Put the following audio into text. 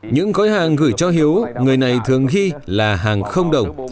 những gói hàng gửi cho hiếu người này thường ghi là hàng không đồng